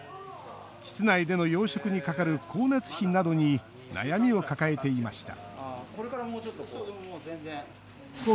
室内での養殖にかかる光熱費などに悩みを抱えていました